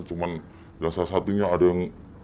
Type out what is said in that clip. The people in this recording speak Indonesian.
cuma yang salah satunya ada yang